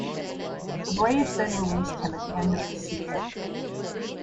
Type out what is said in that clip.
The Braves then released him at the end of the season.